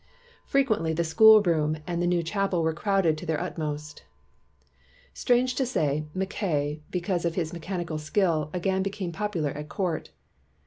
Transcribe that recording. Frequently, the school room and the new chapel were crowded to their ut most. Strange to say, Mackay because of his mechanical skill again became popular at court.